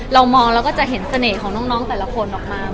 เรามองแล้วก็จะเห็นเสน่ห์ของน้องแต่ละคนออกมา